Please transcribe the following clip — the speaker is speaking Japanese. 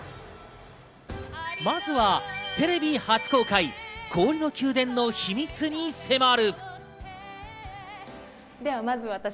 まずはテレビ初公開、氷の宮殿の秘密に迫る。